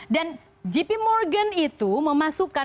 dan jp morgan itu memasukkan